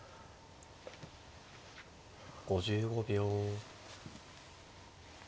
５５秒。